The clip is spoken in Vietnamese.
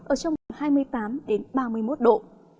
ở trong khoảng hai mươi tám đến ba mươi một độ